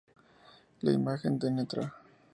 La Imagen de Ntra.